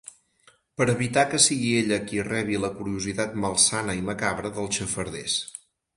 Per evitar que sigui ella qui rebi la curiositat malsana i macabra dels xafarders.